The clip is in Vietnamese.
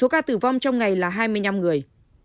các tử vong trong ngày là hai mươi năm người